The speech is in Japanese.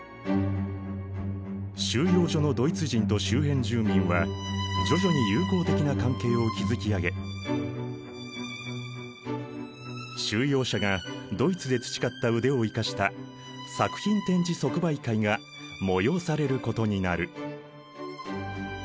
収容所のドイツ人と周辺住民は徐々に友好的な関係を築き上げ収容者がドイツで培った腕を生かした作品展示即売会が催されることになる。